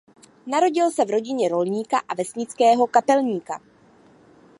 Narodil se v rodině rolníka a vesnického kapelníka.